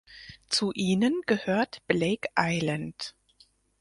Zu ihnen gehört Blake Island.